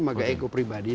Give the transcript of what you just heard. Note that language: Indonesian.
maka ego pribadi